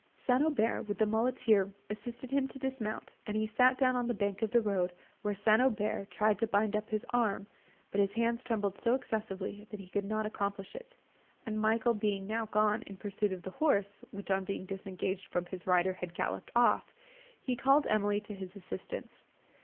St. Aubert, with the muleteer, assisted him to dismount, and he sat down on the bank of the road, where St. Aubert tried to bind up his arm, but his hands trembled so excessively that he could not accomplish it; and, Michael being now gone in pursuit of the horse, which, on being disengaged from his rider, had galloped off, he called Emily to his assistance.